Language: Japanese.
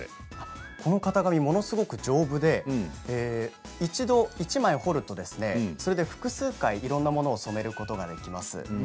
この型紙ものすごく丈夫で１枚彫るとそれで複数回いろんなものを染めることができます。